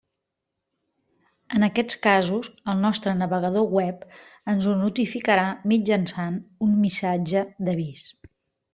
En aquests casos, el nostre navegador web ens ho notificarà mitjançant un missatge d'avís.